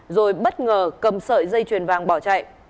rồi bất ngờ cầm sợi dây chuyền vàng bỏ chạy